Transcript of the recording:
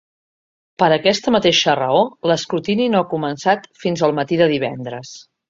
Per aquesta mateixa raó, l’escrutini no ha començat fins el matí de divendres.